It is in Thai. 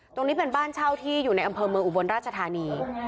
ตรงนี้เป็นบ้านเช่าที่อยู่ในอำเภอเมืองอุบลราชธานี